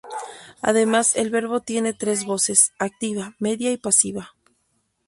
Además, el verbo tiene tres voces: activa, media y pasiva.